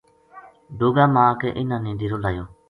ڈوگا ما آ کے اِنھاں نے ڈیرو لایو